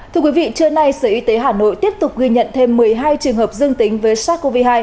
thưa quý vị trưa nay sở y tế hà nội tiếp tục ghi nhận thêm một mươi hai trường hợp dương tính với sars cov hai